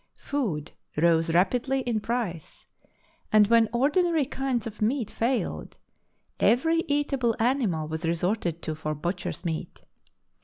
Food rose rapidly in price, and when ordinary kinds of meat failed, every eatable animal was resorted to for butcher's meat.